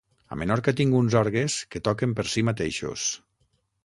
A Menorca tinc uns orgues que toquen per si mateixos.